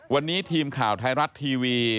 วันนี้ทีมข่าวไทยรัฐทีวี